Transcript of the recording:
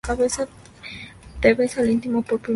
Te ves a ti mismo por primera vez.